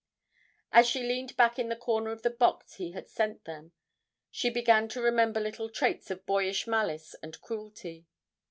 As she leaned back in the corner of the box he had sent them, she began to remember little traits of boyish malice and cruelty.